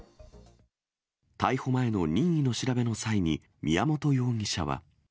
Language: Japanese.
逮捕前の任意の調べの際に、宮本容疑者は。